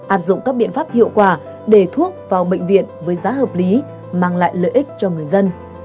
áp dụng các biện pháp hiệu quả để thuốc vào bệnh viện với giá hợp lý mang lại lợi ích cho người dân